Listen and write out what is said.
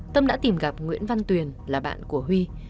tâm đã tìm gặp nguyễn văn tuyền là bạn của huy